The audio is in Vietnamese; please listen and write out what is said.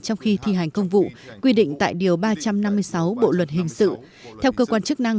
trong khi thi hành công vụ quy định tại điều ba trăm năm mươi sáu bộ luật hình sự